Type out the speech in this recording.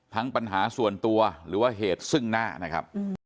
ปัญหาส่วนตัวหรือว่าเหตุซึ่งหน้านะครับ